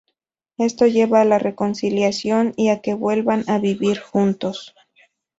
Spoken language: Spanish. Esto lleva a la reconciliación y a que vuelvan a vivir juntos.